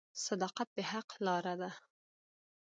• صداقت د حق لاره ده.